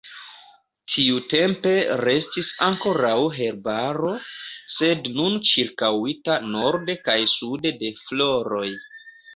Tiutempe restis ankoraŭ herbaro, sed nun ĉirkaŭita norde kaj sude de floroj.